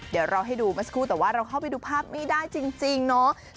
เดี๋ยวเราให้ดูเมื่อสักครู่แต่ว่าเราเข้าไปดูภาพไม่ได้จริงเนาะ